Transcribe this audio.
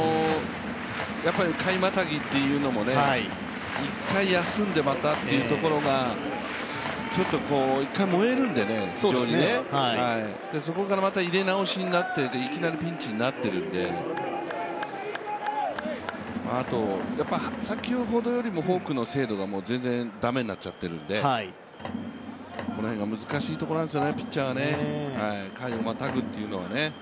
下位またぎというのもね１回休んでまたというところがちょっと一回燃えるんでそこからまた入れ直しになって、いきなりピンチになってるんであと、先ほどよりもフォークの精度が全然だめになっちゃってるんでこの辺が難しいところなんですよね、ピッチャーはね。回をまたぐというのはね。